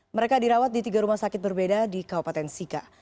mereka dirawat di tiga rumah sakit berbeda di kabupaten sika